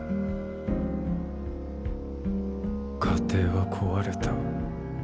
家庭は壊れた。